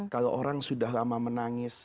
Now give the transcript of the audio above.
kalau orang sudah lama menangis